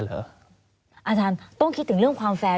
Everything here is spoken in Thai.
สนุนโดยหวานได้ทุกที่ที่มีพาเลส